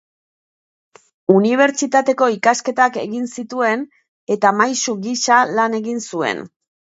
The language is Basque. Unibertsitateko ikasketak egin zituen eta maisu gisa lan egin zuen.